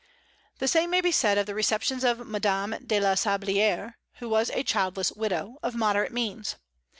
The same may be said of the receptions of Madame de la Sablière, who was a childless widow, of moderate means.